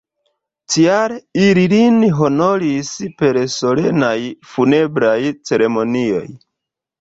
Tial ili lin honoris per solenaj funebraj ceremonioj.